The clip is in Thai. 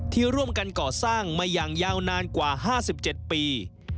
ที่ร่วมกันก่อสร้างมาอย่างยาวนานกว่า๕๗ปี